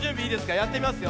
やってみますよ。